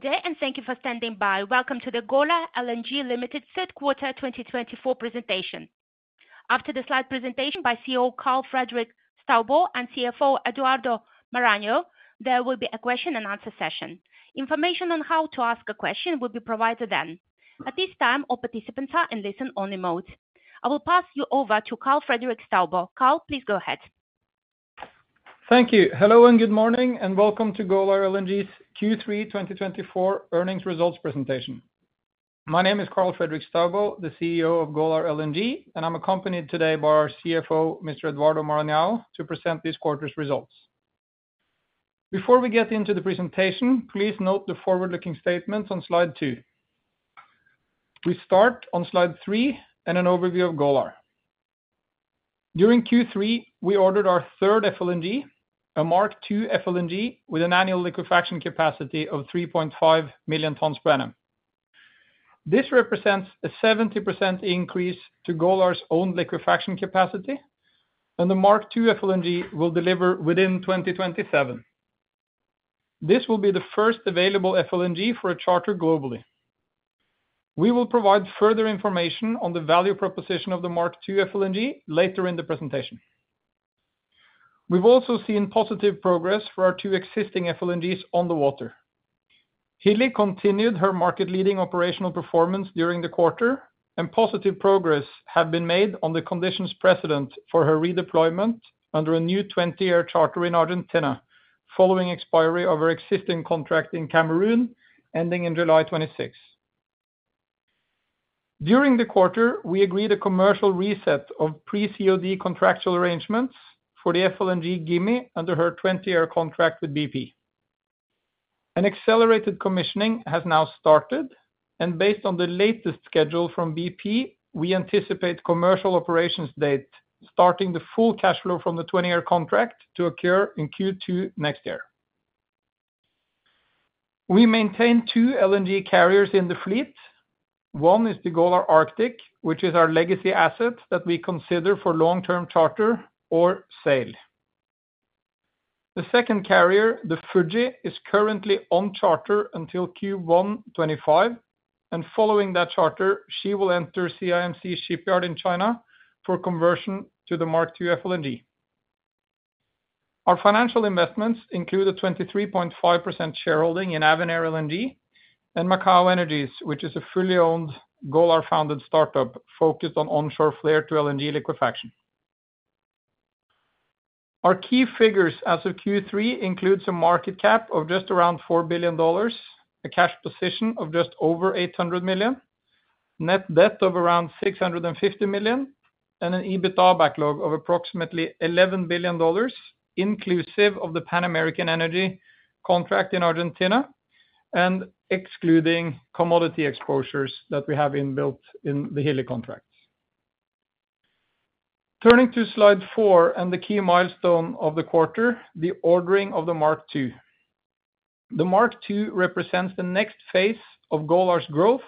Good day, and thank you for standing by. Welcome to the Golar LNG Limited Third Quarter 2024 Presentation. After the Slide presentation by CEO Karl Fredrik Staubo and CFO Eduardo Maranhão, there will be a question and answer session. Information on how to ask a question will be provided then. At this time, all participants are in listen-only mode. I will pass you over to Karl Fredrik Staubo. Karl, please go ahead. Thank you. Hello and good morning, and welcome to Golar LNG's Q3 2024 earnings results presentation. My name is Karl Fredrik Staubo, the CEO of Golar LNG, and I'm accompanied today by our CFO, Mr. Eduardo Maranhão, to present this quarter's results. Before we get into the presentation, please note the forward-looking statements on Slide 2. We start on Slide 3, and an overview of Golar. During Q3, we ordered our third FLNG, a Mark II FLNG with an annual liquefaction capacity of 3.5 million tons per annum. This represents a 70% increase to Golar's own liquefaction capacity, and the Mark II FLNG will deliver within 2027. This will be the first available FLNG for a charter globally. We will provide further information on the value proposition of the Mark II FLNG later in the presentation. We've also seen positive progress for our two existing FLNGs on the water. Hilli continued her market-leading operational performance during the quarter, and positive progress has been made on the conditions precedent for her redeployment under a new 20-year charter in Argentina following the expiry of her existing contract in Cameroon ending in July 2026. During the quarter, we agreed a commercial reset of pre-COD contractual arrangements for the FLNG Gimi under her 20-year contract with BP. An accelerated commissioning has now started, and based on the latest schedule from BP, we anticipate the commercial operations date starting the full cash flow from the 20-year contract to occur in Q2 next year. We maintain two LNG carriers in the fleet. One is the Golar Arctic, which is our legacy asset that we consider for long-term charter or sale. The second carrier, the Fuji, is currently on charter until Q1 2025, and following that charter, she will enter CIMC Raffles shipyard in China for conversion to the Mark II FLNG. Our financial investments include a 23.5% shareholding in Avenir LNG and Macaw Energies, which is a fully-owned Golar-founded startup focused on onshore flare-to-LNG liquefaction. Our key figures as of Q3 include a market cap of just around $4 billion, a cash position of just over $800 million, net debt of around $650 million, and an EBITDA backlog of approximately $11 billion, inclusive of the Pan American Energy contract in Argentina and excluding commodity exposures that we have in built in the Hilli contracts. Turning to Slide 4 and the key milestone of the quarter, the ordering of the Mark II. The Mark II represents the next phase of Golar's growth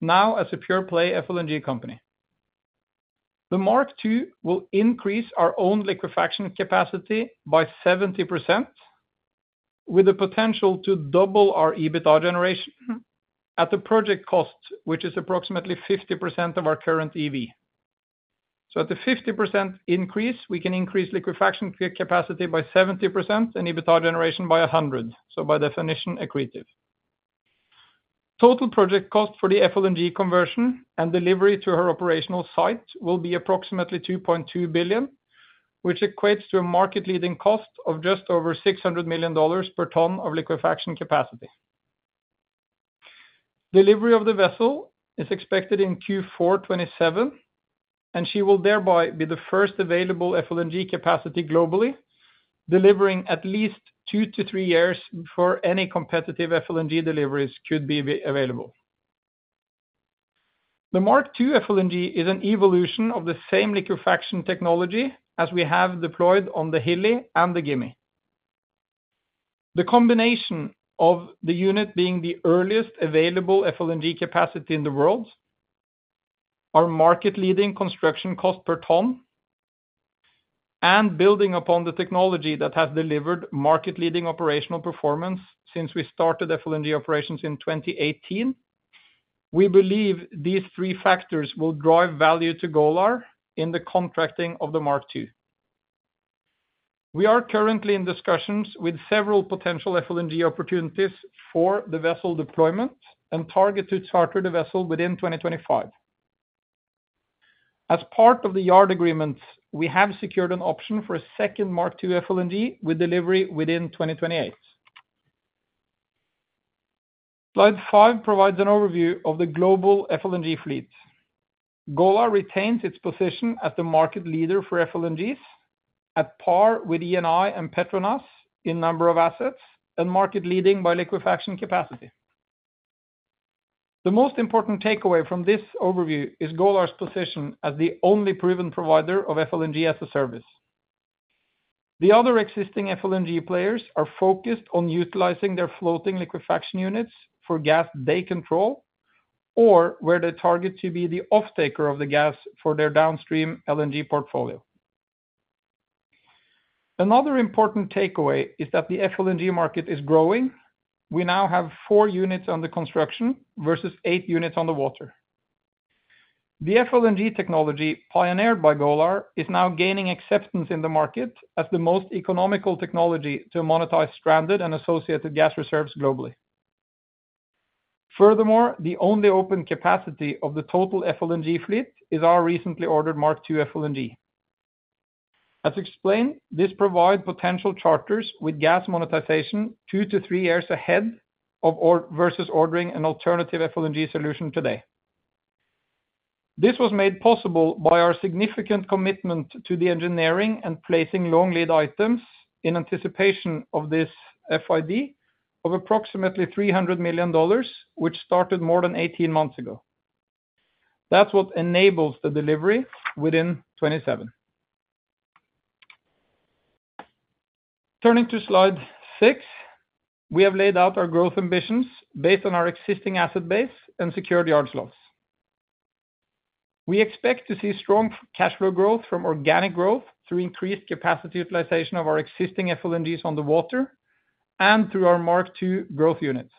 now as a pure-play FLNG company. The Mark II will increase our own liquefaction capacity by 70%, with the potential to double our EBITDA generation at the project cost, which is approximately 50% of our current EV. So at the 50% increase, we can increase liquefaction capacity by 70% and EBITDA generation by 100%, so by definition, accretive. Total project cost for the FLNG conversion and delivery to her operational site will be approximately $2.2 billion, which equates to a market-leading cost of just over $600 million per ton of liquefaction capacity. Delivery of the vessel is expected in Q4 2027, and she will thereby be the first available FLNG capacity globally, delivering at least two to three years before any competitive FLNG deliveries could be available. The Mark II FLNG is an evolution of the same liquefaction technology as we have deployed on the Hilli and the Gimi. The combination of the unit being the earliest available FLNG capacity in the world, our market-leading construction cost per ton, and building upon the technology that has delivered market-leading operational performance since we started FLNG operations in 2018, we believe these three factors will drive value to Golar in the contracting of the Mark II. We are currently in discussions with several potential FLNG opportunities for the vessel deployment and target to charter the vessel within 2025. As part of the yard agreements, we have secured an option for a second Mark II FLNG with delivery within 2028. Slide 5 provides an overview of the global FLNG fleet. Golar retains its position as the market leader for FLNGs, at par with ENI and Petronas in number of assets and market-leading by liquefaction capacity. The most important takeaway from this overview is Golar's position as the only proven provider of FLNG as a service. The other existing FLNG players are focused on utilizing their floating liquefaction units for gasfield control or where they target to be the off-taker of the gas for their downstream LNG portfolio. Another important takeaway is that the FLNG market is growing. We now have four units under construction versus eight units on the water. The FLNG technology pioneered by Golar is now gaining acceptance in the market as the most economical technology to monetize stranded and associated gas reserves globally. Furthermore, the only open capacity of the total FLNG fleet is our recently ordered Mark II FLNG. As explained, this provides potential charters with gas monetization two to three years ahead versus ordering an alternative FLNG solution today. This was made possible by our significant commitment to the engineering and placing long lead items in anticipation of this FID of approximately $300 million, which started more than 18 months ago. That's what enables the delivery within 27. Turning to Slide 6, we have laid out our growth ambitions based on our existing asset base and secured yard slots. We expect to see strong cash flow growth from organic growth through increased capacity utilization of our existing FLNGs on the water and through our Mark II growth units.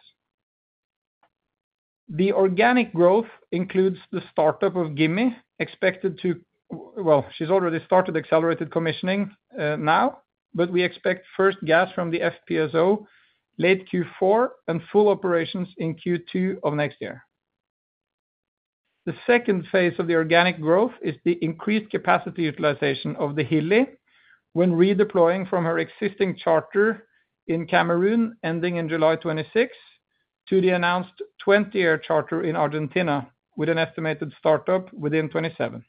The organic growth includes the startup of Gimi, expected to, well, she's already started accelerated commissioning now, but we expect first gas from the FPSO late Q4 and full operations in Q2 of next year. The second phase of the organic growth is the increased capacity utilization of the Hilli when redeploying from her existing charter in Cameroon ending in July 2026 to the announced 20-year charter in Argentina with an estimated startup within 2027.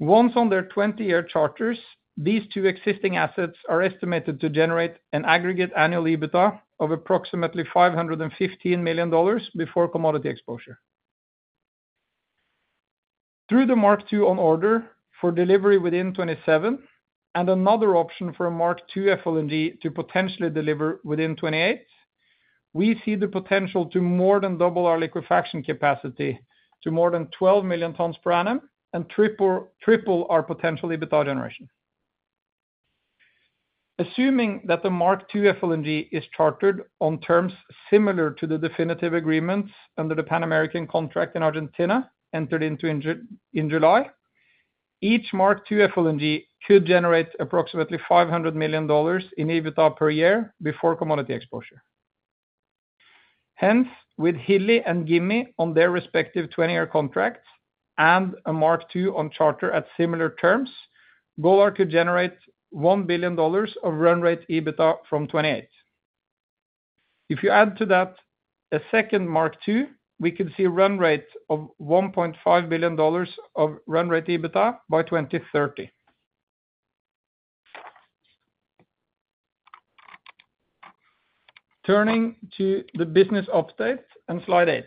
Once on their 20-year charters, these two existing assets are estimated to generate an aggregate annual EBITDA of approximately $515 million before commodity exposure. Through the Mark II on order for delivery within 2027 and another option for a Mark II FLNG to potentially deliver within 2028, we see the potential to more than double our liquefaction capacity to more than 12 million tons per annum and triple our potential EBITDA generation. Assuming that the Mark II FLNG is chartered on terms similar to the definitive agreements under the Pan American contract in Argentina entered into in July, each Mark II FLNG could generate approximately $500 million in EBITDA per year before commodity exposure. Hence, with Hilli and Gimi on their respective 20-year contracts and a Mark II on charter at similar terms, Golar could generate $1 billion of run rate EBITDA from 2028. If you add to that a second Mark II, we could see a run rate of $1.5 billion of run rate EBITDA by 2030. Turning to the business update and Slide 8.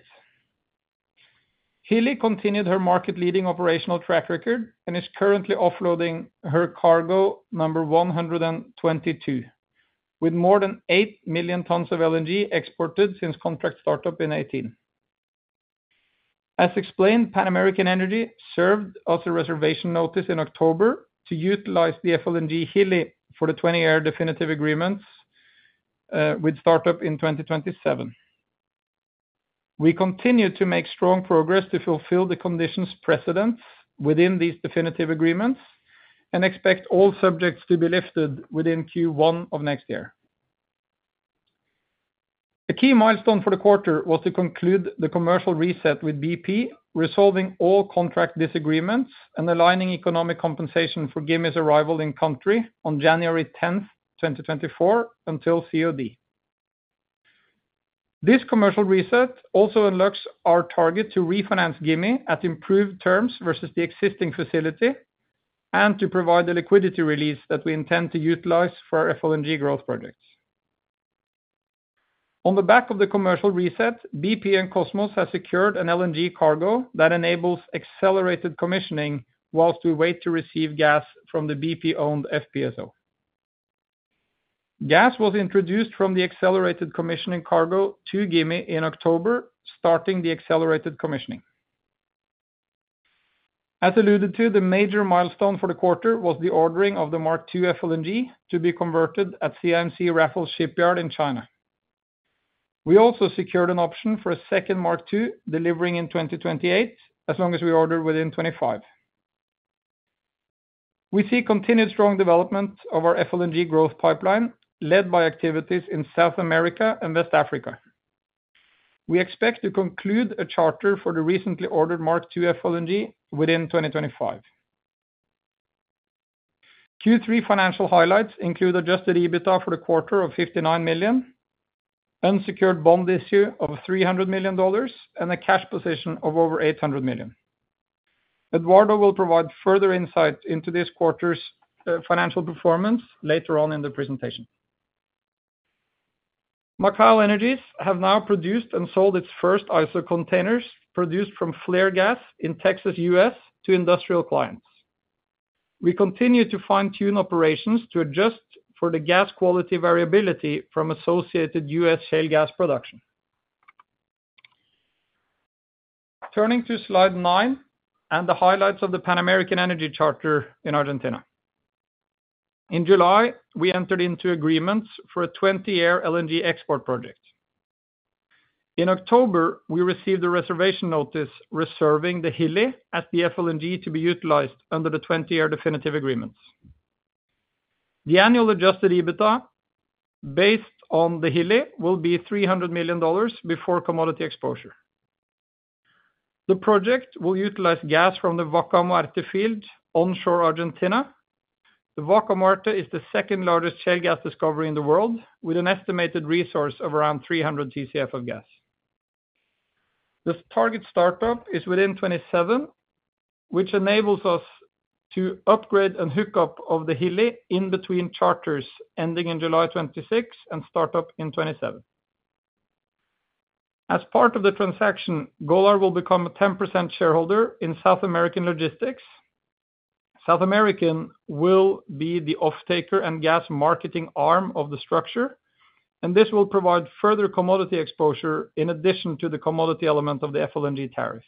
Hilli continued her market-leading operational track record and is currently offloading her cargo number 122 with more than eight million tons of LNG exported since contract startup in 2018. As explained, Pan American Energy served as a reservation notice in October to utilize the FLNG Hilli for the 20-year definitive agreements with startup in 2027. We continue to make strong progress to fulfill the conditions precedent within these definitive agreements and expect all subjects to be lifted within Q1 of next year. A key milestone for the quarter was to conclude the commercial reset with BP, resolving all contract disagreements and aligning economic compensation for Gimi's arrival in country on January 10, 2024, until COD. This commercial reset also unlocks our target to refinance Gimi at improved terms versus the existing facility and to provide the liquidity release that we intend to utilize for our FLNG growth projects. On the back of the commercial reset, BP and Kosmos have secured an LNG cargo that enables accelerated commissioning while we wait to receive gas from the BP-owned FPSO. Gas was introduced from the accelerated commissioning cargo to Gimi in October, starting the accelerated commissioning. As alluded to, the major milestone for the quarter was the ordering of the Mark II FLNG to be converted at CIMC Raffles Shipyard in China. We also secured an option for a second Mark II delivering in 2028 as long as we order within 2025. We see continued strong development of our FLNG growth pipeline led by activities in South America and West Africa. We expect to conclude a charter for the recently ordered Mark II FLNG within 2025. Q3 financial highlights include Adjusted EBITDA for the quarter of $59 million, unsecured bond issue of $300 million, and a cash position of over $800 million. Eduardo will provide further insight into this quarter's financial performance later on in the presentation. Macaw Energies has now produced and sold its first ISO containers produced from flare gas in Texas, US, to industrial clients. We continue to fine-tune operations to adjust for the gas quality variability from associated US shale gas production. Turning to Slide 9 and the highlights of the Pan American Energy Charter in Argentina. In July, we entered into agreements for a 20-year LNG export project. In October, we received a reservation notice reserving the Hilli as the FLNG to be utilized under the 20-year definitive agreements. The annual Adjusted EBITDA based on the Hilli will be $300 million before commodity exposure. The project will utilize gas from the Vaca Muerta field onshore Argentina. The Vaca Muerta is the second largest shale gas discovery in the world with an estimated resource of around 300 TCF of gas. The target startup is within 2027, which enables us to upgrade and hook up of the Hilli in between charters ending in July 2026 and startup in 2027. As part of the transaction, Golar will become a 10% shareholder in Southern Energy. Southern Energy will be the off-taker and gas marketing arm of the structure, and this will provide further commodity exposure in addition to the commodity element of the FLNG tariff.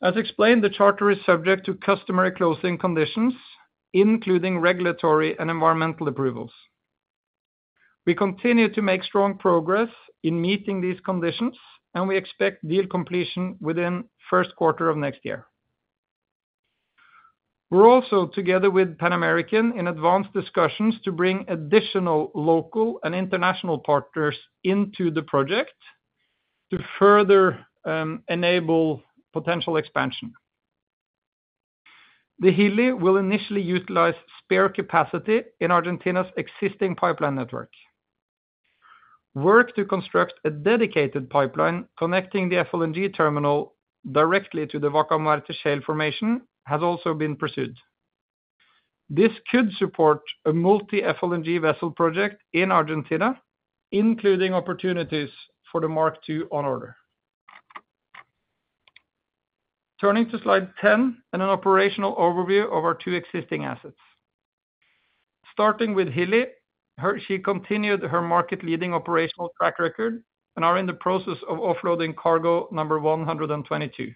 As explained, the charter is subject to customary closing conditions, including regulatory and environmental approvals. We continue to make strong progress in meeting these conditions, and we expect deal completion within the first quarter of next year. We're also, together with Pan American, in advanced discussions to bring additional local and international partners into the project to further enable potential expansion. The Hilli will initially utilize spare capacity in Argentina's existing pipeline network. Work to construct a dedicated pipeline connecting the FLNG terminal directly to the Vaca Muerta shale formation has also been pursued. This could support a multi-FLNG vessel project in Argentina, including opportunities for the Mark II on order. Turning to Slide 10 and an operational overview of our two existing assets. Starting with Hilli, she continued her market-leading operational track record and is in the process of offloading cargo number 122.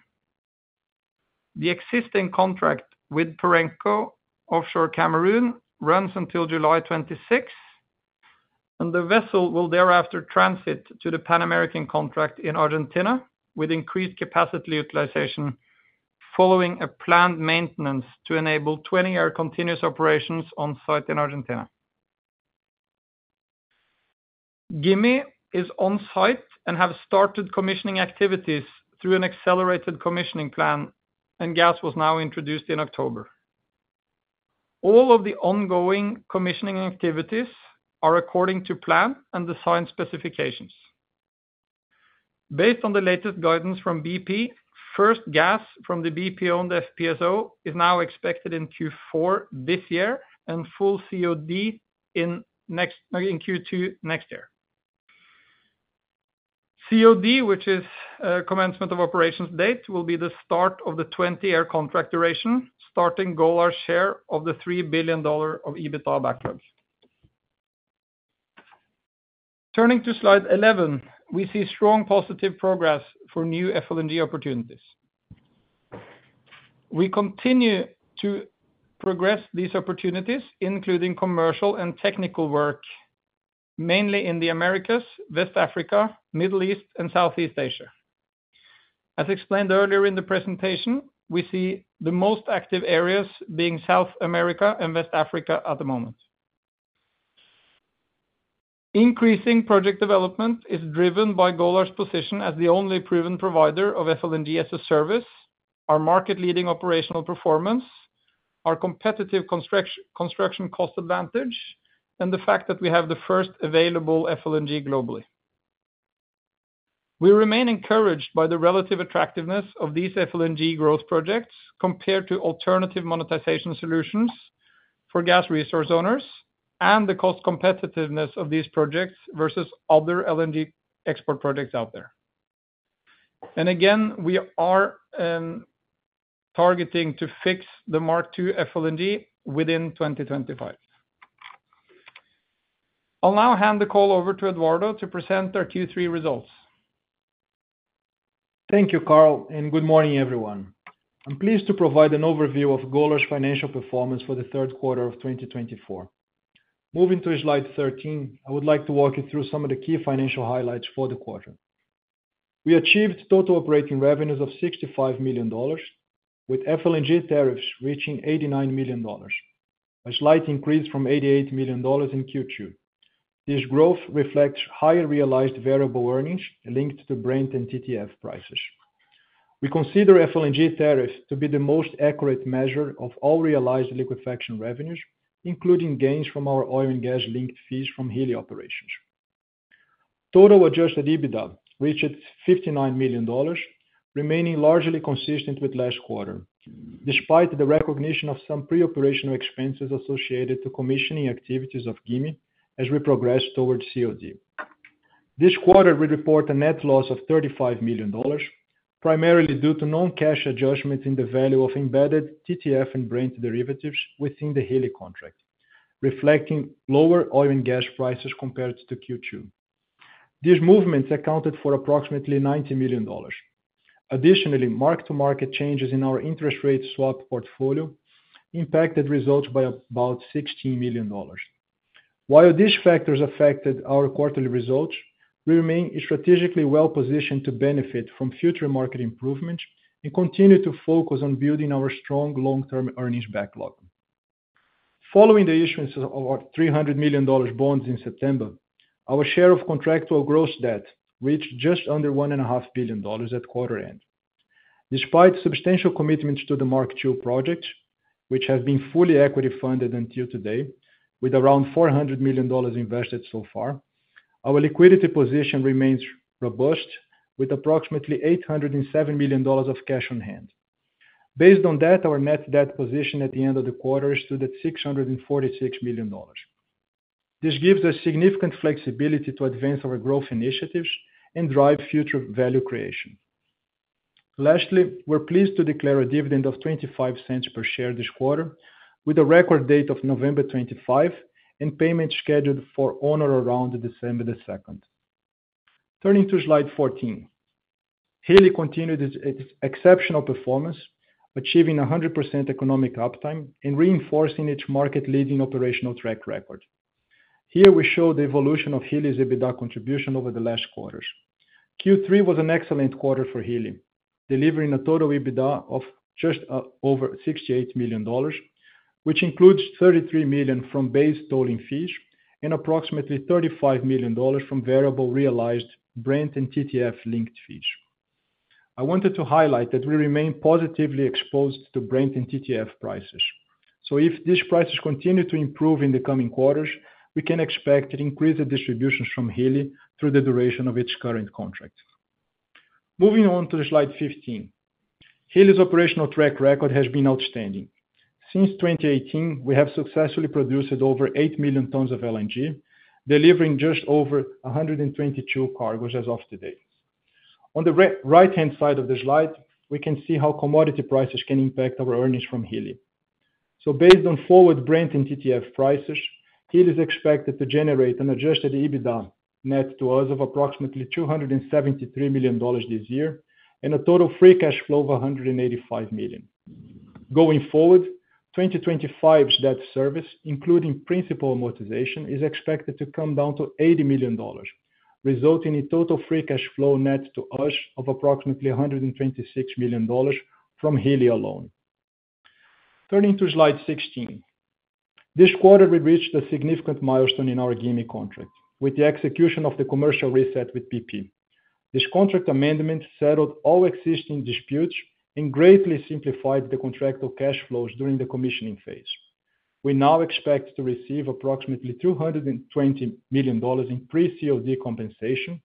The existing contract with Perenco Offshore Cameroon runs until July 26, and the vessel will thereafter transit to the Pan American contract in Argentina with increased capacity utilization following a planned maintenance to enable 20-year continuous operations on site in Argentina. Gimi is on site and has started commissioning activities through an accelerated commissioning plan, and gas was now introduced in October. All of the ongoing commissioning activities are according to plan and design specifications. Based on the latest guidance from BP, first gas from the BP-owned FPSO is now expected in Q4 this year and full COD in Q2 next year. COD, which is commencement of operations date, will be the start of the 20-year contract duration, starting Golar's share of the $3 billion of EBITDA backlog. Turning to Slide 11, we see strong positive progress for new FLNG opportunities. We continue to progress these opportunities, including commercial and technical work, mainly in the Americas, West Africa, Middle East, and Southeast Asia. As explained earlier in the presentation, we see the most active areas being South America and West Africa at the moment. Increasing project development is driven by Golar's position as the only proven provider of FLNG as a service, our market-leading operational performance, our competitive construction cost advantage, and the fact that we have the first available FLNG globally. We remain encouraged by the relative attractiveness of these FLNG growth projects compared to alternative monetization solutions for gas resource owners and the cost competitiveness of these projects versus other LNG export projects out there, and again, we are targeting to fix the Mark II FLNG within 2025. I'll now hand the call over to Eduardo to present our Q3 results. Thank you, Karl, and good morning, everyone. I'm pleased to provide an overview of Golar's financial performance for the third quarter of 2024. Moving to Slide 13, I would like to walk you through some of the key financial highlights for the quarter. We achieved total operating revenues of $65 million, with FLNG tariffs reaching $89 million, a slight increase from $88 million in Q2. This growth reflects higher realized variable earnings linked to Brent and TTF prices. We consider FLNG tariffs to be the most accurate measure of all realized liquefaction revenues, including gains from our oil and gas linked fees from Hilli operations. Total adjusted EBITDA reached $59 million, remaining largely consistent with last quarter, despite the recognition of some pre-operational expenses associated with commissioning activities of Gimi as we progress towards COD. This quarter, we report a net loss of $35 million, primarily due to non-cash adjustments in the value of embedded TTF and Brent derivatives within the Hilli contract, reflecting lower oil and gas prices compared to Q2. These movements accounted for approximately $90 million. Additionally, mark-to-market changes in our interest rate swap portfolio impacted results by about $16 million. While these factors affected our quarterly results, we remain strategically well-positioned to benefit from future market improvements and continue to focus on building our strong long-term earnings backlog. Following the issuance of our $300 million bonds in September, our share of contractual gross debt reached just under $1.5 billion at quarter end. Despite substantial commitments to the Mark II project, which has been fully equity funded until today, with around $400 million invested so far, our liquidity position remains robust, with approximately $807 million of cash on hand. Based on that, our net debt position at the end of the quarter stood at $646 million. This gives us significant flexibility to advance our growth initiatives and drive future value creation. Lastly, we're pleased to declare a dividend of $0.25 per share this quarter, with a record date of November 25 and payment scheduled for on or around December the 2nd. Turning to Slide 14, Hilli continued its exceptional performance, achieving 100% economic uptime and reinforcing its market-leading operational track record. Here, we show the evolution of Hilli's EBITDA contribution over the last quarters. Q3 was an excellent quarter for Hilli, delivering a total EBITDA of just over $68 million, which includes $33 million from base tolling fees and approximately $35 million from variable realized Brent and TTF linked fees. I wanted to highlight that we remain positively exposed to Brent and TTF prices. So if these prices continue to improve in the coming quarters, we can expect increased distributions from Hilli through the duration of its current contract. Moving on to Slide 15, Hilli's operational track record has been outstanding. Since 2018, we have successfully produced over 8 million tons of LNG, delivering just over 122 cargoes as of today. On the right-hand side of the slide, we can see how commodity prices can impact our earnings from Hilli. Based on forward Brent and TTF prices, Hilli is expected to generate an Adjusted EBITDA net to us of approximately $273 million this year and a total free cash flow of $185 million. Going forward, 2025's debt service, including principal amortization, is expected to come down to $80 million, resulting in a total free cash flow net to us of approximately $126 million from Hilli alone. Turning to Slide 16, this quarter we reached a significant milestone in our Gimi contract with the execution of the commercial reset with BP. This contract amendment settled all existing disputes and greatly simplified the contractual cash flows during the commissioning phase. We now expect to receive approximately $220 million in pre-COD compensation,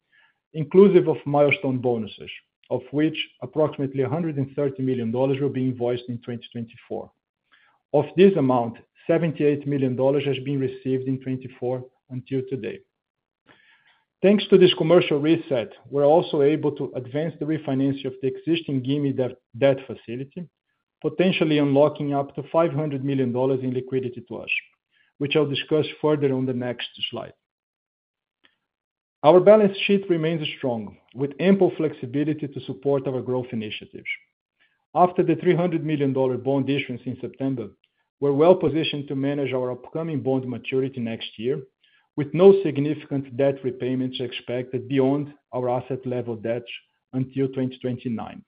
inclusive of milestone bonuses, of which approximately $130 million will be invoiced in 2024. Of this amount, $78 million has been received in 2024 until today. Thanks to this commercial reset, we're also able to advance the refinancing of the existing Gimi debt facility, potentially unlocking up to $500 million in liquidity to us, which I'll discuss further on the next slide. Our balance sheet remains strong, with ample flexibility to support our growth initiatives. After the $300 million bond issuance in September, we're well-positioned to manage our upcoming bond maturity next year, with no significant debt repayments expected beyond our asset-level debt until 2029.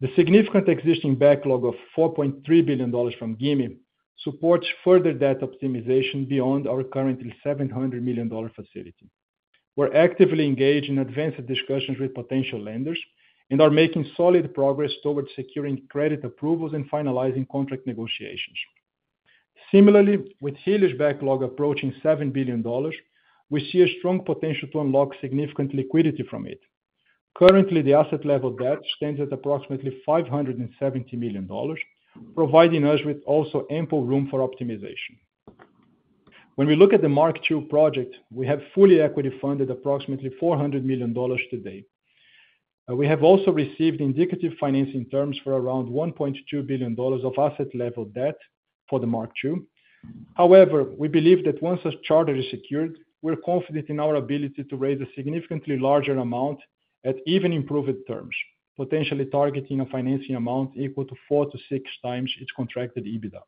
The significant existing backlog of $4.3 billion from Gimi supports further debt optimization beyond our current $700 million facility. We're actively engaged in advanced discussions with potential lenders and are making solid progress towards securing credit approvals and finalizing contract negotiations. Similarly, with Hilli's backlog approaching $7 billion, we see a strong potential to unlock significant liquidity from it. Currently, the asset-level debt stands at approximately $570 million, providing us with also ample room for optimization. When we look at the Mark II project, we have fully equity funded approximately $400 million today. We have also received indicative financing terms for around $1.2 billion of asset-level debt for the Mark II. However, we believe that once a charter is secured, we're confident in our ability to raise a significantly larger amount at even improved terms, potentially targeting a financing amount equal to four to six times its contracted EBITDA.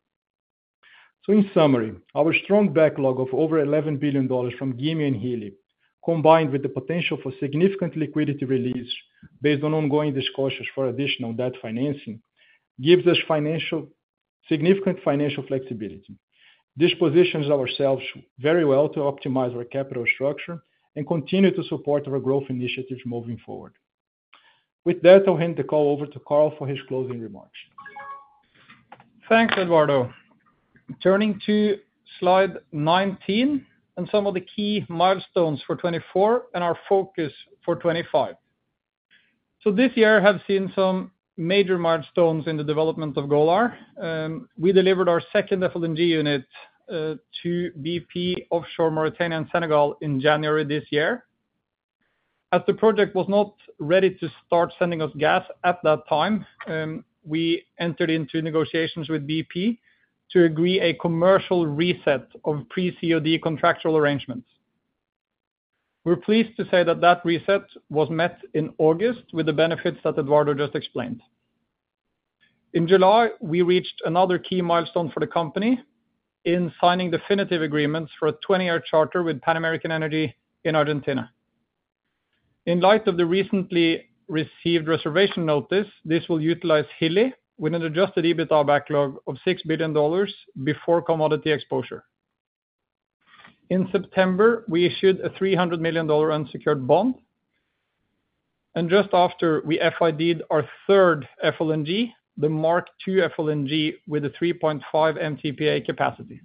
So in summary, our strong backlog of over $11 billion from Gimi and Hilli, combined with the potential for significant liquidity release based on ongoing discussions for additional debt financing, gives us significant financial flexibility. This positions ourselves very well to optimize our capital structure and continue to support our growth initiatives moving forward. With that, I'll hand the call over to Karl for his closing remarks. Thanks, Eduardo. Turning to Slide 19 and some of the key milestones for 2024 and our focus for 2025. So this year has seen some major milestones in the development of Golar. We delivered our second FLNG unit to BP Offshore Mauritania and Senegal in January this year. As the project was not ready to start sending us gas at that time, we entered into negotiations with BP to agree on a commercial reset of pre-COD contractual arrangements. We're pleased to say that that reset was met in August with the benefits that Eduardo just explained. In July, we reached another key milestone for the company in signing definitive agreements for a 20-year charter with Pan American Energy in Argentina. In light of the recently received reservation notice, this will utilize Hilli with an Adjusted EBITDA backlog of $6 billion before commodity exposure. In September, we issued a $300 million unsecured bond, and just after, we FID'd our third FLNG, the Mark II FLNG with a 3.5 MTPA capacity.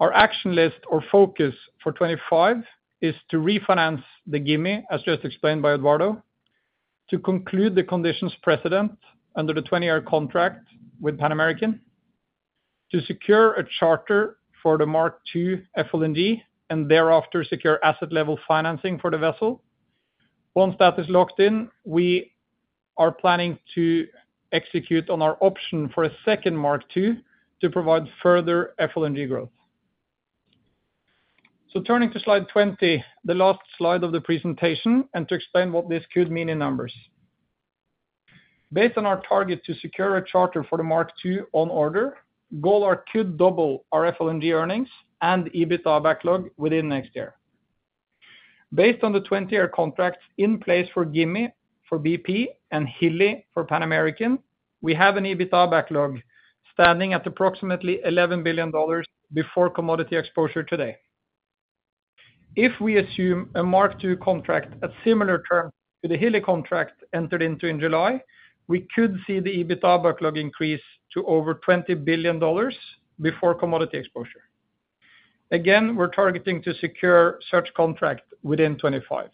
Our action list or focus for 2025 is to refinance the Gimi, as just explained by Eduardo, to conclude the conditions precedent under the 20-year contract with Pan American, to secure a charter for the Mark II FLNG, and thereafter secure asset-level financing for the vessel. Once that is locked in, we are planning to execute on our option for a second Mark II to provide further FLNG growth, turning to Slide 20, the last slide of the presentation, and to explain what this could mean in numbers. Based on our target to secure a charter for the Mark II on order, Golar could double our FLNG earnings and EBITDA backlog within the next year. Based on the 20-year contract in place for Gimi for BP and Hilli for Pan American, we have an EBITDA backlog standing at approximately $11 billion before commodity exposure today. If we assume a Mark II contract at similar terms to the Hilli contract entered into in July, we could see the EBITDA backlog increase to over $20 billion before commodity exposure. Again, we're targeting to secure such a contract within 2025.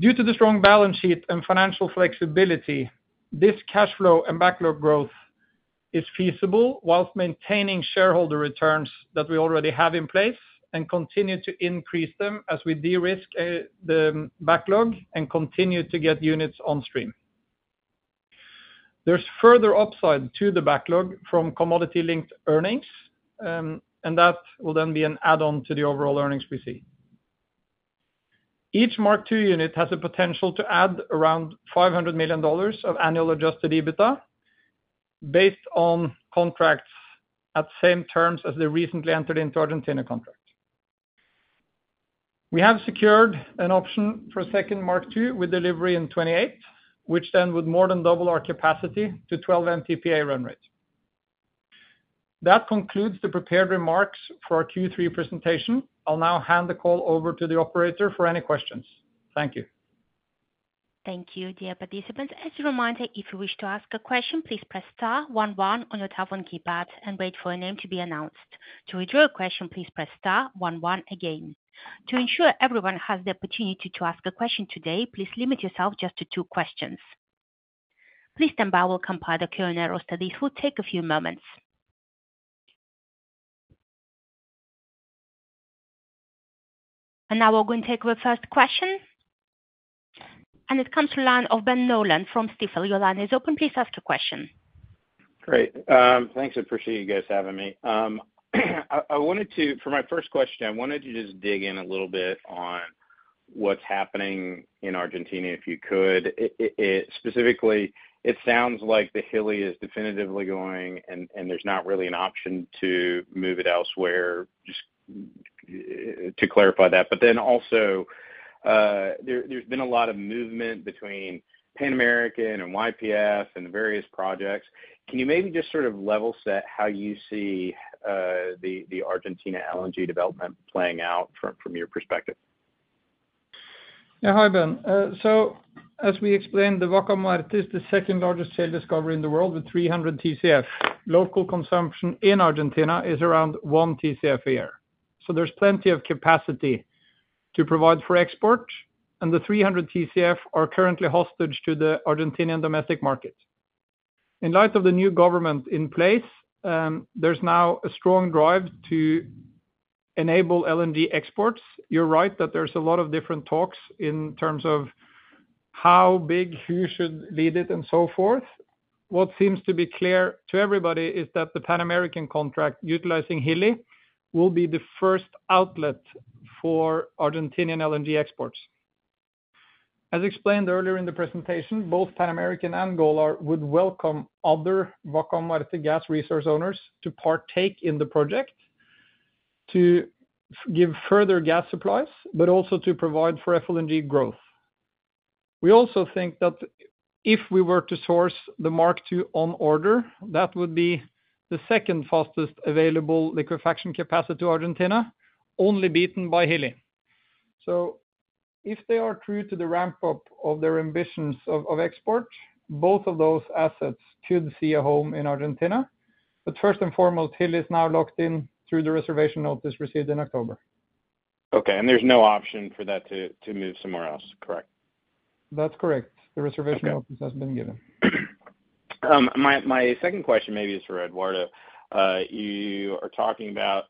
Due to the strong balance sheet and financial flexibility, this cash flow and backlog growth is feasible while maintaining shareholder returns that we already have in place and continue to increase them as we de-risk the backlog and continue to get units on stream. There's further upside to the backlog from commodity-linked earnings, and that will then be an add-on to the overall earnings we see. Each Mark II unit has a potential to add around $500 million of annual Adjusted EBITDA based on contracts at same terms as the recently entered into Argentina contract. We have secured an option for a second Mark II with delivery in 2028, which then would more than double our capacity to 12 MTPA run rate. That concludes the prepared remarks for our Q3 presentation. I'll now hand the call over to the operator for any questions. Thank you. Thank you, dear participants. As a reminder, if you wish to ask a question, please press star 11 on your telephone keypad and wait for a name to be announced. To withdraw a question, please press star one, one again. To ensure everyone has the opportunity to ask a question today, please limit yourself just to two questions. Please stand by while we'll compile the Q&A roster. This will take a few moments. Now we're going to take the first question. It comes from the line of Ben Nolan from Stifel. Your line, is it open? Please ask a question. Great. Thanks. I appreciate you guys having me. I wanted to, for my first question, I wanted to just dig in a little bit on what's happening in Argentina, if you could. Specifically, it sounds like the Hilli is definitively going, and there's not really an option to move it elsewhere, just to clarify that. But then also, there's been a lot of movement between Pan American and YPF and various projects. Can you maybe just sort of level set how you see the Argentina LNG development playing out from your perspective? Yeah, hi Ben. So as we explained, the Vaca Muerta is the second largest shale discovery in the world with 300 TCF. Local consumption in Argentina is around one TCF a year. So there's plenty of capacity to provide for export, and the 300 TCF are currently hostage to the Argentine domestic market. In light of the new government in place, there's now a strong drive to enable LNG exports. You're right that there's a lot of different talks in terms of how big, who should lead it, and so forth. What seems to be clear to everybody is that the Pan American contract utilizing Hilli will be the first outlet for Argentine LNG exports. As explained earlier in the presentation, both Pan American and Golar would welcome other Vaca Muerta gas resource owners to partake in the project to give further gas supplies, but also to provide for FLNG growth. We also think that if we were to source the Mark II on order, that would be the second fastest available liquefaction capacity to Argentina, only beaten by Hilli. So if they are true to the ramp-up of their ambitions of export, both of those assets could see a home in Argentina. But first and foremost, Hilli is now locked in through the reservation notice received in October. Okay. And there's no option for that to move somewhere else, correct? That's correct. The reservation notice has been given. My second question maybe is for Eduardo. You are talking about,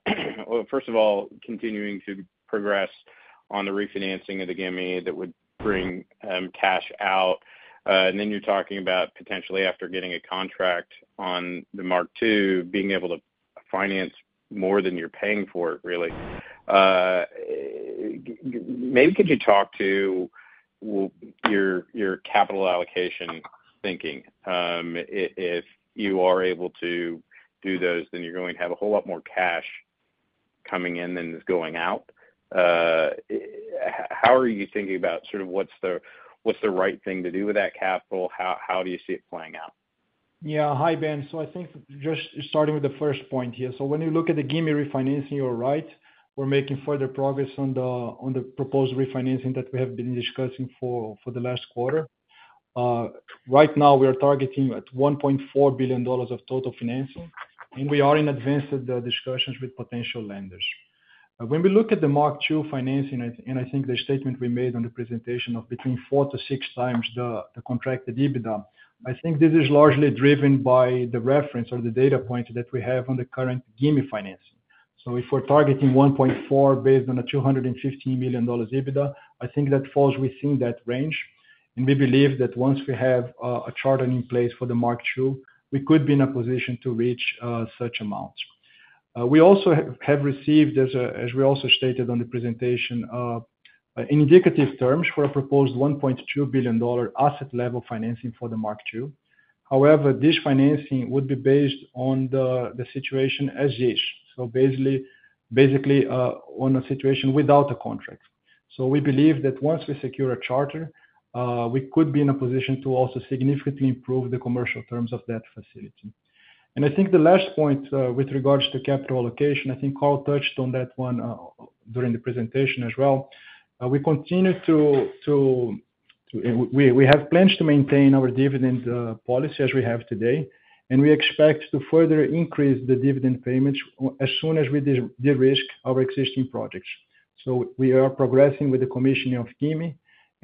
well, first of all, continuing to progress on the refinancing of the Gimi that would bring cash out. And then you're talking about potentially after getting a contract on the Mark II, being able to finance more than you're paying for it, really. Maybe could you talk to your capital allocation thinking? If you are able to do those, then you're going to have a whole lot more cash coming in than is going out. How are you thinking about sort of what's the right thing to do with that capital? How do you see it playing out? Yeah. Hi Ben. So I think just starting with the first point here. So when you look at the Gimi refinancing, you're right. We're making further progress on the proposed refinancing that we have been discussing for the last quarter. Right now, we are targeting at $1.4 billion of total financing, and we are in advanced discussions with potential lenders. When we look at the Mark II financing, and I think the statement we made on the presentation of between four to six times the contracted EBITDA, I think this is largely driven by the reference or the data points that we have on the current Gimi financing. So if we're targeting $1.4 billion based on a $215 million EBITDA, I think that falls within that range. And we believe that once we have a charter in place for the Mark II, we could be in a position to reach such amounts. We also have received, as we also stated on the presentation, indicative terms for a proposed $1.2 billion asset-level financing for the Mark II. However, this financing would be based on the situation as is. So, basically, on a situation without a contract. So, we believe that once we secure a charter, we could be in a position to also significantly improve the commercial terms of that facility. And, I think, the last point with regards to capital allocation. I think Karl touched on that one during the presentation as well. We have plans to maintain our dividend policy as we have today, and we expect to further increase the dividend payments as soon as we de-risk our existing projects. So, we are progressing with the commissioning of Gimi,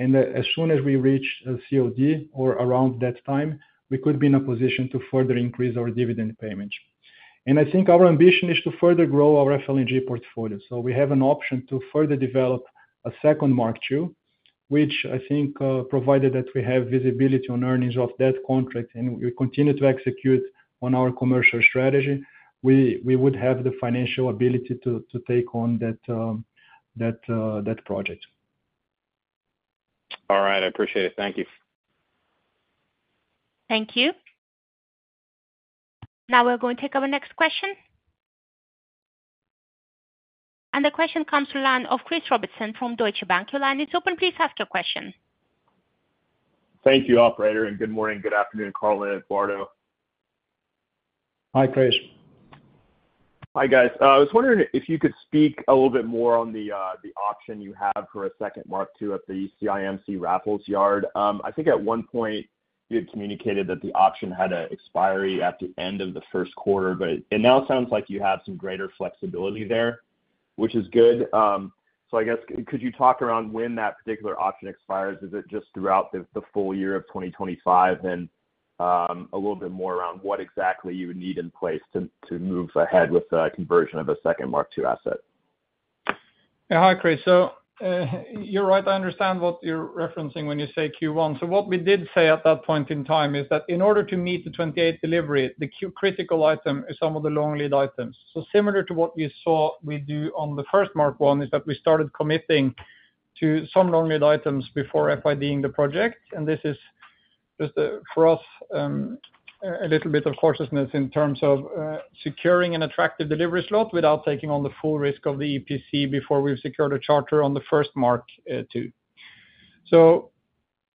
and as soon as we reach COD or around that time, we could be in a position to further increase our dividend payments. And, I think, our ambition is to further grow our FLNG portfolio. So we have an option to further develop a second Mark II, which I think provided that we have visibility on earnings of that contract and we continue to execute on our commercial strategy, we would have the financial ability to take on that project. All right. I appreciate it. Thank you. Thank you. Now we're going to take our next question. And the question comes from call from Chris Robertson from Deutsche Bank. Your line is open. Please ask your question. Thank you, operator. And good morning and good afternoon, Karl and Eduardo. Hi, Chris. Hi, guys. I was wondering if you could speak a little bit more on the option you have for a second Mark II at the CIMC Raffles yard. I think at one point you had communicated that the option had an expiry at the end of the first quarter, but it now sounds like you have some greater flexibility there, which is good. So I guess, could you talk around when that particular option expires? Is it just throughout the full year of 2025 and a little bit more around what exactly you would need in place to move ahead with a conversion of a second Mark II asset? Yeah. Hi, Chris. So you're right. I understand what you're referencing when you say Q1. So what we did say at that point in time is that in order to meet the '28 delivery, the critical item is some of the long lead items. Similar to what we saw we do on the first Mark I is that we started committing to some long lead items before FIDing the project. This is just for us a little bit of cautiousness in terms of securing an attractive delivery slot without taking on the full risk of the EPC before we've secured a charter on the first Mark II.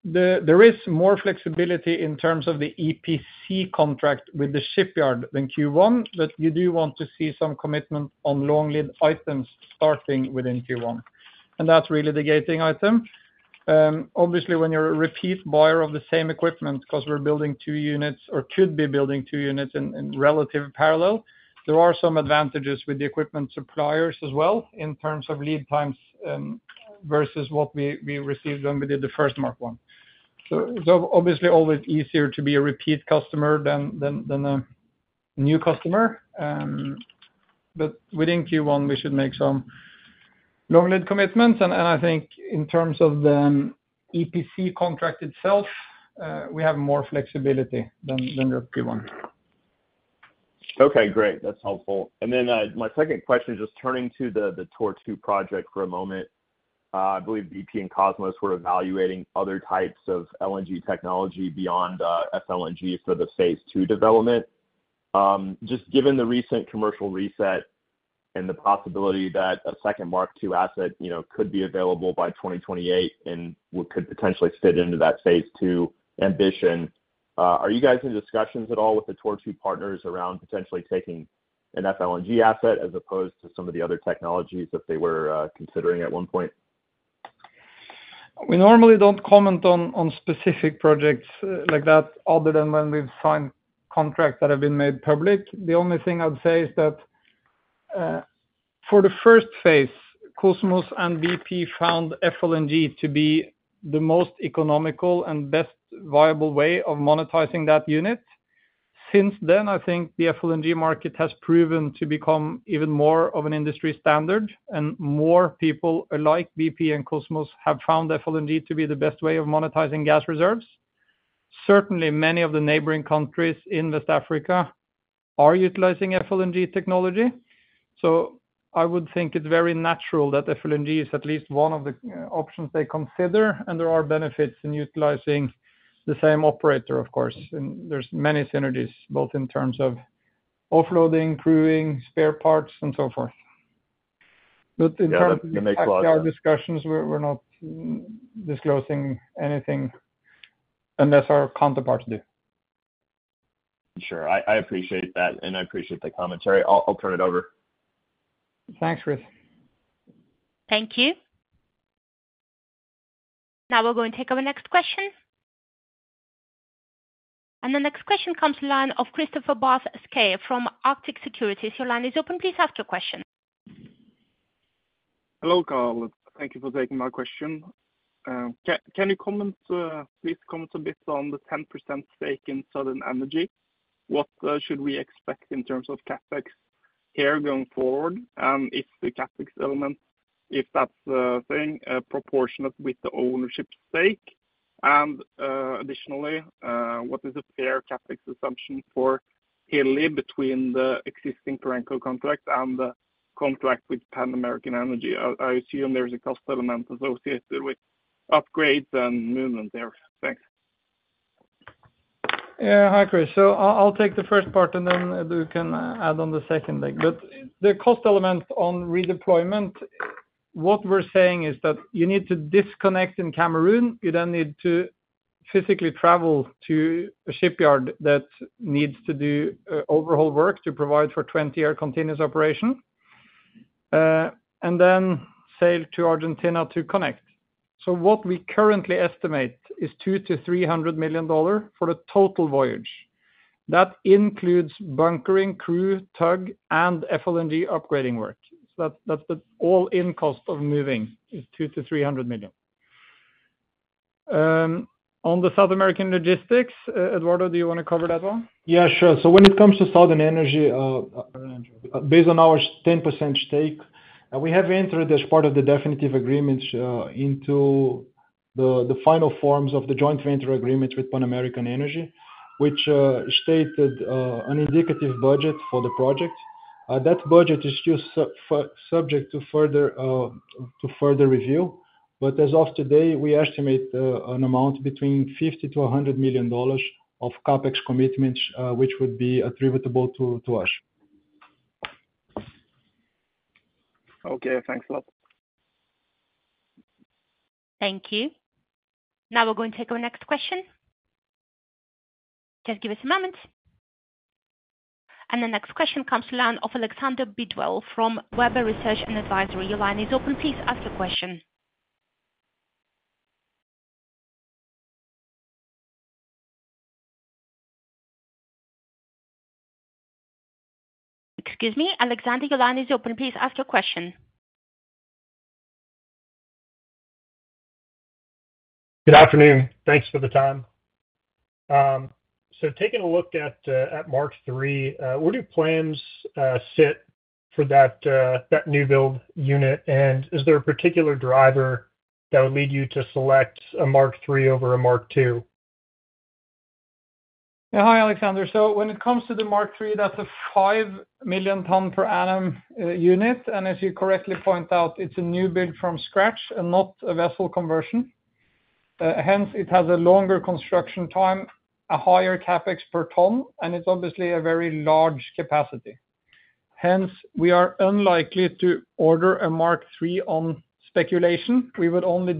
There is more flexibility in terms of the EPC contract with the shipyard than Q1, but you do want to see some commitment on long lead items starting within Q1. That's really the gating item. Obviously, when you're a repeat buyer of the same equipment because we're building two units or could be building two units in relative parallel, there are some advantages with the equipment suppliers as well in terms of lead times versus what we received when we did the first Mark I. So obviously, always easier to be a repeat customer than a new customer. But within Q1, we should make some long lead commitments. And I think in terms of the EPC contract itself, we have more flexibility than the Q1. Okay. Great. That's helpful. And then my second question, just turning to the Tortue II project for a moment. I believe BP and Kosmos were evaluating other types of LNG technology beyond FLNG for the phase two development. Just given the recent commercial reset and the possibility that a second Mark II asset could be available by 2028 and could potentially fit into that phase two ambition, are you guys in discussions at all with the Tor II partners around potentially taking an FLNG asset as opposed to some of the other technologies that they were considering at one point? We normally don't comment on specific projects like that other than when we've signed contracts that have been made public. The only thing I'd say is that for the first phase, Kosmos and BP found FLNG to be the most economical and best viable way of monetizing that unit. Since then, I think the FLNG market has proven to become even more of an industry standard, and more people like BP and Kosmos have found FLNG to be the best way of monetizing gas reserves. Certainly, many of the neighboring countries in West Africa are utilizing FLNG technology. So I would think it's very natural that FLNG is at least one of the options they consider, and there are benefits in utilizing the same operator, of course. And there's many synergies, both in terms of offloading, crewing, spare parts, and so forth. But in terms of SPA discussions, we're not disclosing anything unless our counterparts do. Sure. I appreciate that, and I appreciate the commentary. I'll turn it over. Thanks, Chris. Thank you. Now we're going to take our next question. And the next question comes from the line of Kristoffer Barth Skeie from Arctic Securities. Your line, is it open? Please ask your question. Hello, Karl. Thank you for taking my question. Can you comment, please comment a bit on the 10% stake in Southern Energy? What should we expect in terms of CapEx here going forward and if the CapEx element, if that's a thing, proportionate with the ownership stake? And additionally, what is a fair CapEx assumption for Hilli between the existing parental contract and the contract with Pan American Energy? I assume there's a cost element associated with upgrades and movement there. Thanks. Yeah. Hi, Kris. So I'll take the first part, and then you can add on the second leg. But the cost element on redeployment, what we're saying is that you need to disconnect in Cameroon. You then need to physically travel to a shipyard that needs to do overhaul work to provide for 20-year continuous operation and then sail to Argentina to connect. So what we currently estimate is $200-$300 million for the total voyage. That includes bunkering, crew, tug, and FLNG upgrading work. So that's the all-in cost of moving is $200-$300 million. On the South American logistics, Eduardo, do you want to cover that one? Yeah, sure. So when it comes to Southern Energy, based on our 10% stake, we have entered as part of the definitive agreements into the final forms of the joint venture agreements with Pan American Energy, which stated an indicative budget for the project. That budget is still subject to further review. But as of today, we estimate an amount between $50-$100 million of CapEx commitments, which would be attributable to us. Okay. Thanks a lot. Thank you. Now we're going to take our next question. Just give us a moment. And the next question comes from the line of Alexander Bidwell from Webber Research & Advisory. Alexander, your line, is it open? Please ask your question. Excuse me. Alexander, your line, is it open? Please ask your question. Good afternoon. Thanks for the time. So taking a look at Mark III, where do plans sit for that new build unit? And is there a particular driver that would lead you to select a Mark III over a Mark II? Yeah. Hi, Alexander. So when it comes to the Mark III, that's a 5 million tons per annum unit. And as you correctly point out, it's a new build from scratch and not a vessel conversion. Hence, it has a longer construction time, a higher CapEx per ton, and it's obviously a very large capacity. Hence, we are unlikely to order a Mark III on speculation. We would only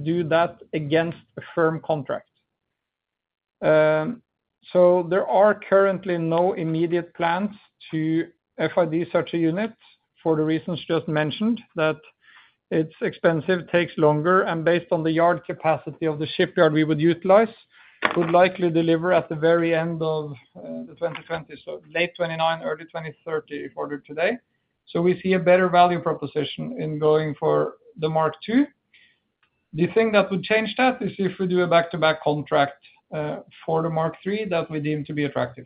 do that against a firm contract. There are currently no immediate plans to FID such a unit for the reasons just mentioned that it's expensive, takes longer, and based on the yard capacity of the shipyard we would utilize, would likely deliver at the very end of the 2020s, so late 2029, early 2030, if ordered today. We see a better value proposition in going for the Mark II. The thing that would change that is if we do a back-to-back contract for the Mark III that we deem to be attractive.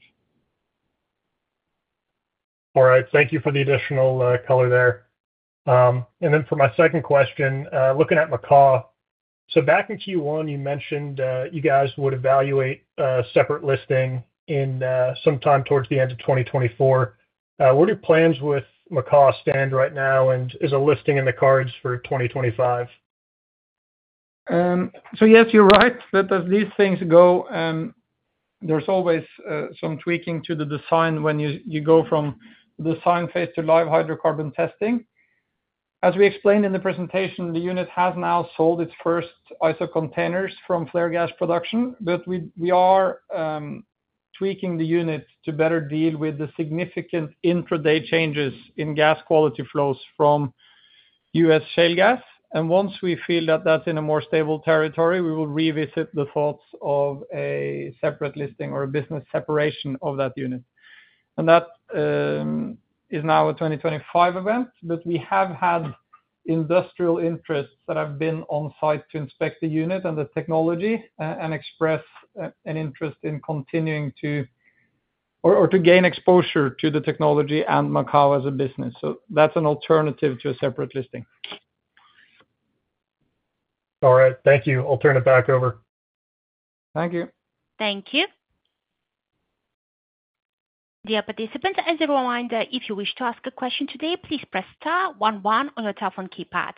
All right. Thank you for the additional color there. For my second question, looking at Macaw, back in Q1, you mentioned you guys would evaluate a separate listing sometime towards the end of 2024. Where do plans with Macaw stand right now, and is a listing in the cards for 2025? Yes, you're right. But as these things go, there's always some tweaking to the design when you go from the design phase to live hydrocarbon testing. As we explained in the presentation, the unit has now sold its first ISO containers from Flare Gas production, but we are tweaking the unit to better deal with the significant intraday changes in gas quality flows from U.S. shale gas. And once we feel that that's in a more stable territory, we will revisit the thoughts of a separate listing or a business separation of that unit. And that is now a 2025 event, but we have had industrial interests that have been on site to inspect the unit and the technology and express an interest in continuing to or to gain exposure to the technology and Macaw as a business. So that's an alternative to a separate listing. All right. Thank you. I'll turn it back over. Thank you. Thank you. Dear participants, as a reminder, if you wish to ask a question today, please press star 11 on your telephone keypad.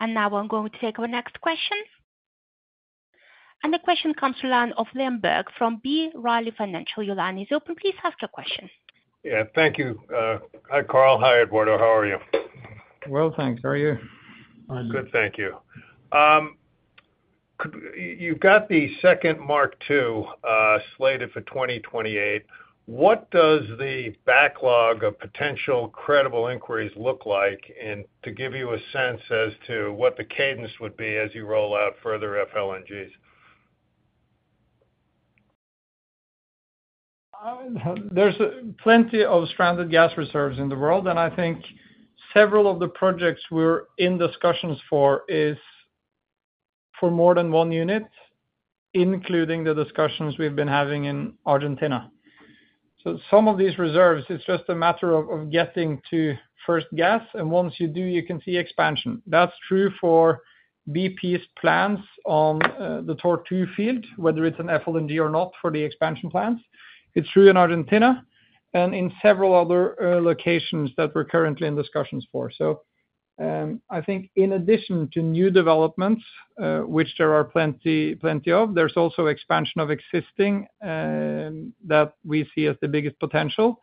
And now we're going to take our next question. And the question comes from Liam Burke from B. Riley Financial. Liam, is it open? Please ask your question. Yeah. Thank you. Hi, Karl. Hi, Eduardo. How are you? Well, thanks. How are you? I'm good. Thank you. You've got the second Mark II slated for 2028. What does the backlog of potential credible inquiries look like? And to give you a sense as to what the cadence would be as you roll out further FLNGs? There's plenty of stranded gas reserves in the world, and I think several of the projects we're in discussions for is for more than one unit, including the discussions we've been having in Argentina. Some of these reserves, it's just a matter of getting to first gas, and once you do, you can see expansion. That's true for BP's plans on the Tortue field, whether it's an FLNG or not for the expansion plans. It's true in Argentina and in several other locations that we're currently in discussions for. I think in addition to new developments, which there are plenty of, there's also expansion of existing that we see as the biggest potential.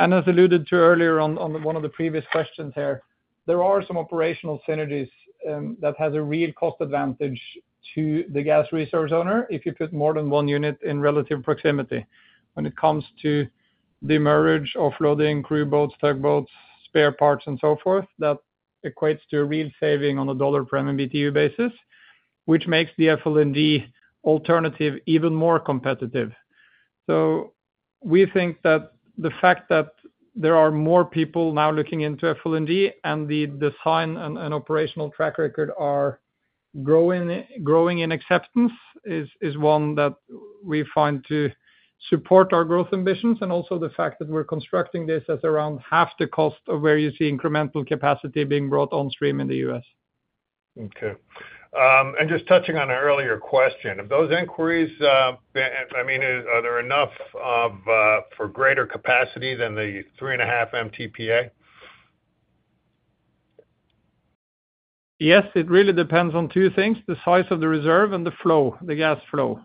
As alluded to earlier on one of the previous questions here, there are some operational synergies that have a real cost advantage to the gas resource owner if you put more than one unit in relative proximity. When it comes to the marine, offloading, crew boats, tug boats, spare parts, and so forth, that equates to a real saving on a $1 per MMBTU basis, which makes the FLNG alternative even more competitive, so we think that the fact that there are more people now looking into FLNG and the design and operational track record are growing in acceptance is one that we find to support our growth ambitions and also the fact that we're constructing this at around half the cost of where you see incremental capacity being brought on stream in the US. Okay, and just touching on an earlier question, have those inquiries been, I mean, are there enough for greater capacity than the three and a half MTPA? Yes. It really depends on two things: the size of the reserve and the flow, the gas flow.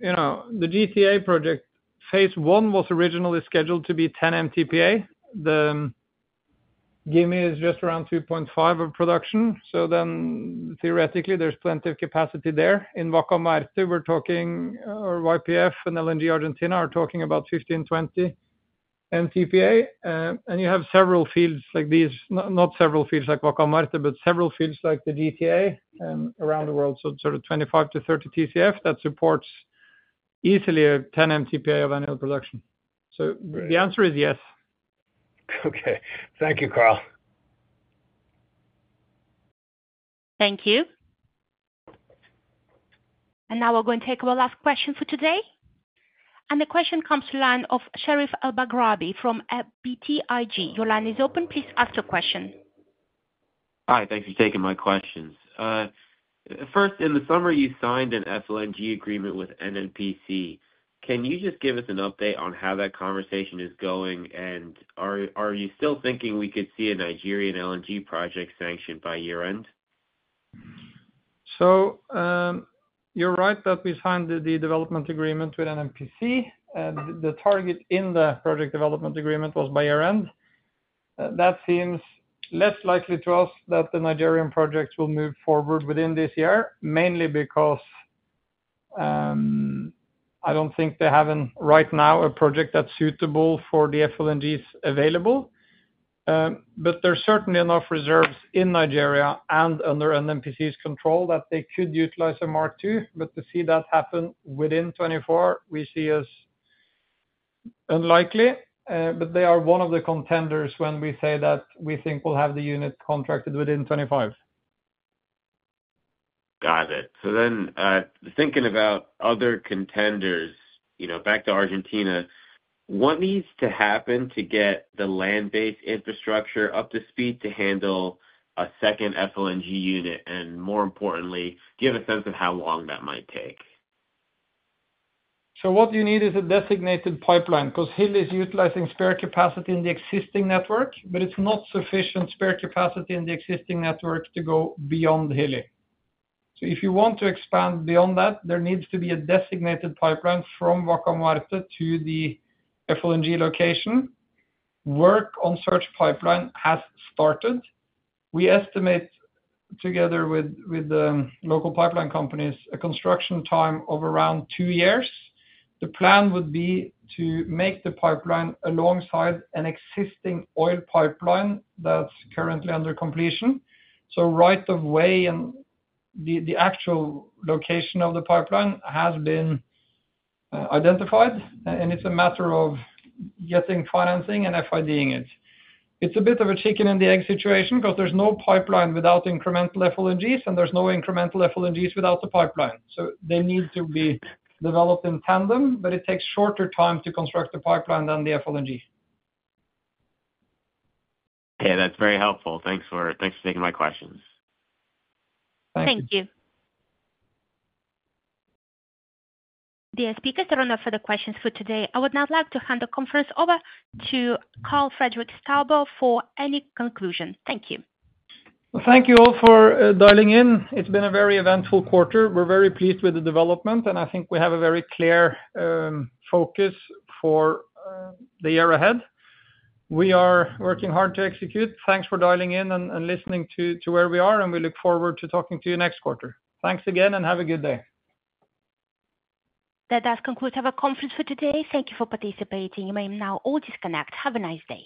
The GTA project, phase one was originally scheduled to be 10 MTPA. The Gimi is just around 2.5 of production. Then theoretically, there's plenty of capacity there. In Vaca Muerta, we're talking or YPF and LNG Argentina are talking about 15-20 MTPA. You have several fields like these not several fields like Vaca Muerta, but several fields like the GTA around the world. Sort of 25 to 30 TCF that supports easily a 10 MTPA of annual production. The answer is yes. Okay. Thank you, Karl. Thank you. Now we're going to take our last question for today. The question comes from the line of Sherif Elmaghrabi from BTIG. Your line is open. Please ask your question. Hi. Thanks for taking my questions. First, in the summer, you signed an FLNG agreement with NNPC. Can you just give us an update on how that conversation is going? And are you still thinking we could see a Nigerian LNG project sanctioned by year-end? So you're right that we signed the development agreement with NNPC, and the target in the project development agreement was by year-end. That seems less likely to us that the Nigerian projects will move forward within this year, mainly because I don't think they have right now a project that's suitable for the FLNGs available. But there's certainly enough reserves in Nigeria and under NNPC's control that they could utilize a Mark II. But to see that happen within 2024, we see as unlikely. But they are one of the contenders when we say that we think we'll have the unit contracted within 2025. Got it. Then, thinking about other contenders, back to Argentina, what needs to happen to get the land-based infrastructure up to speed to handle a second FLNG unit? And more importantly, do you have a sense of how long that might take? What you need is a designated pipeline because Hilli is utilizing spare capacity in the existing network, but it's not sufficient spare capacity in the existing network to go beyond Hilli. If you want to expand beyond that, there needs to be a designated pipeline from Vaca Muerta to the FLNG location. Work on such pipeline has started. We estimate, together with the local pipeline companies, a construction time of around two years. The plan would be to make the pipeline alongside an existing oil pipeline that's currently under completion. So right of way and the actual location of the pipeline has been identified, and it's a matter of getting financing and FIDing it. It's a bit of a chicken and the egg situation because there's no pipeline without incremental FLNGs, and there's no incremental FLNGs without the pipeline. So they need to be developed in tandem, but it takes shorter time to construct a pipeline than the FLNG. Okay. That's very helpful. Thanks for taking my questions. Thank you. The speakers are done with the questions for today. I would now like to hand the conference over to Karl Fredrik Staubo for any conclusion. Thank you. Well, thank you all for dialing in. It's been a very eventful quarter. We're very pleased with the development, and I think we have a very clear focus for the year ahead. We are working hard to execute. Thanks for dialing in and listening to where we are, and we look forward to talking to you next quarter. Thanks again, and have a good day. That does conclude our conference for today. Thank you for participating. You may now all disconnect. Have a nice day.